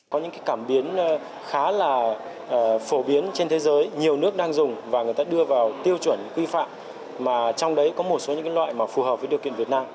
có những cảm biến khá là phổ biến trên thế giới nhiều nước đang dùng và người ta đưa vào tiêu chuẩn quy phạm mà trong đấy có một số những loại mà phù hợp với điều kiện việt nam